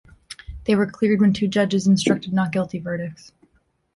They were cleared when two judges instructed not-guilty verdicts.